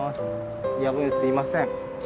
夜分すいません。